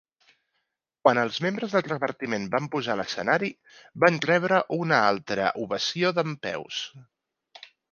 Quan els membres del repartiment van pujar a l'escenari, van rebre una altra ovació dempeus.